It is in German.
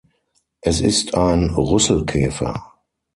Es ist ein Rüsselkäfer.